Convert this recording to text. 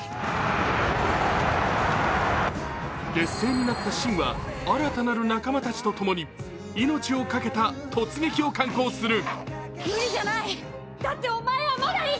劣勢になった秦は新たなる仲間たちとともに命をかけた突撃を敢行する。